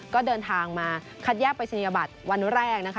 ก็เดินทางมาคัดแยกปริศนียบัตรวันแรกนะคะ